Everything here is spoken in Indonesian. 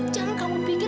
jangan kamu pikir